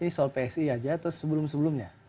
ini soal psi aja atau sebelum sebelumnya